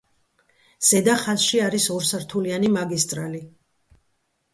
ზედა ხაზში არის ორსართულიანი მაგისტრალი.